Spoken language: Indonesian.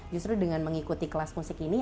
justru dengan mengikuti kelas musik ini